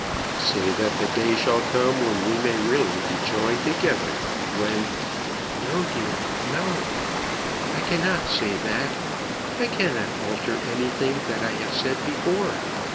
"Say that the day shall come when we may really be joined together; when " "No, dear; no; I cannot say that. I cannot alter anything that I have said before.